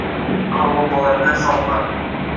Harbiy "Qor bobo"lardan sovg‘a